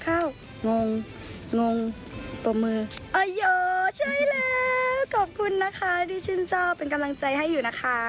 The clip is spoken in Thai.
ขอบคุณนะคะที่ชื่นชอบเป็นกำลังใจให้อยู่นะคะ